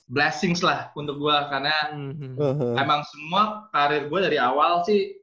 dan itu adalah pengahian untuk saya karena memang semua karir saya dari awal